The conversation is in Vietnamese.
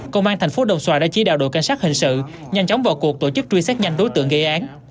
công an thành phố đồng xoài đã chỉ đạo đội cảnh sát hình sự nhanh chóng vào cuộc tổ chức truy xét nhanh đối tượng gây án